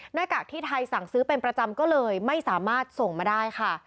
หน้ากากที่ไทยสั่งซื้อเป็นประจำก็เลยไม่สามารถส่งมาได้ค่ะ